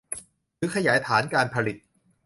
หรือขยายฐานการผลิต